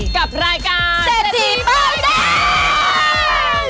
กับรายการเซจจีเปิ้ลได้